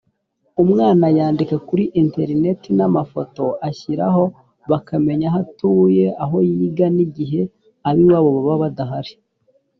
umwana yandika kuri interineti n amafoto ashyiraho bakamenya aho atuye aho yiga n igihe ab iwabo baba badahari